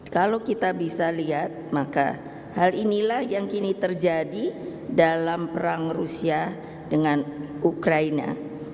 kalau kita bisa lihat maka hal inilah yang kini terjadi dalam perang rusia dengan ukraina